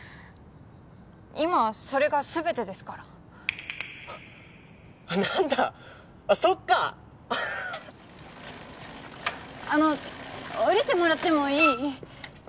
今はそれがすべてですからあっ何だあっそっかあの降りてもらってもいい？